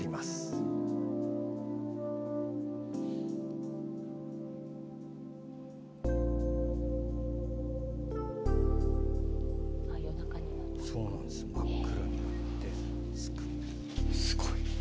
すごい。